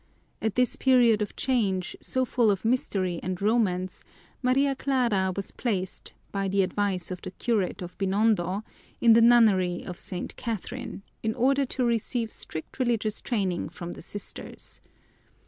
At this period of change, so full of mystery and romance, Maria Clara was placed, by the advice of the curate of Binondo, in the nunnery of St. Catherine in order to receive strict religious training from the Sisters.